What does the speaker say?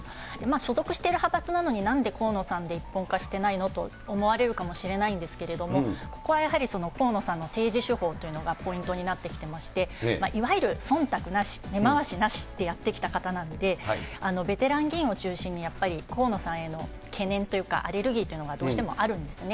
所属している派閥なのになんで河野さんで一本化してないのと思われるかもしれないんですけれども、ここはやはり、河野さんの政治手法というのがポイントになってきてまして、いわゆるそんたくなし、根回しなしでやってきた方なので、ベテラン議員を中心に、やっぱり河野さんへの懸念というか、アレルギーというのがどうしてもあるんですね。